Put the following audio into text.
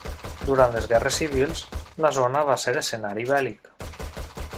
Durant les guerres civils, la zona va ser escenari bèl·lic.